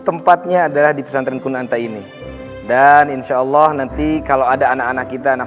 tempatnya adalah di pesantren kunanta ini dan insyaallah nanti kalau ada anak anak kita nah